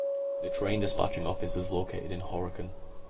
The train dispatching office is located in Horicon.